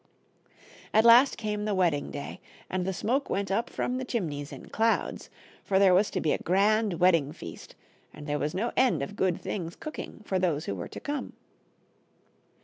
At last came the wedding day, and the smoke went up from the chim neys in clouds, for there was to be a grand wedding feast, and there was no end of good things cooking for those who were to come.